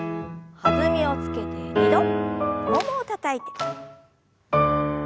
弾みをつけて２度ももをたたいて。